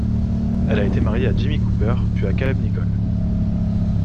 Elle a été mariée à Jimmy Cooper, puis à Caleb Nichol.